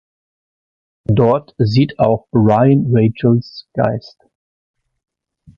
Dort sieht auch Ryan Rachels Geist.